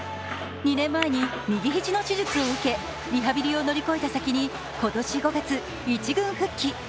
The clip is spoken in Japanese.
２年前に右肘の手術を受け、リハビリを乗り越えた先に今年５月、１軍復帰。